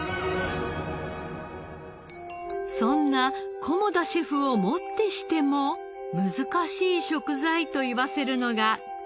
そんな菰田シェフをもってしても難しい食材と言わせるのがきゅうり。